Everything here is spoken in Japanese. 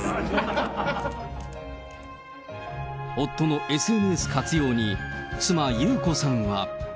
夫のＳＮＳ活用に、妻、裕子さんは。